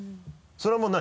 それはもう何？